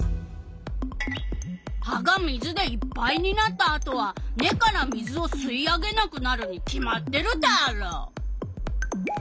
葉が水でいっぱいになったあとは根から水を吸い上げなくなるに決まってるダーロ！